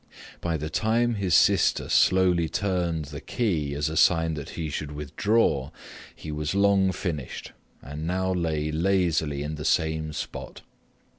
By the time his sister slowly turned the key as a sign that he should withdraw, he was long finished and now lay lazily in the same spot.